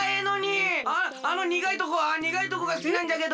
ああのにがいとこにがいとこがすきなんじゃけど。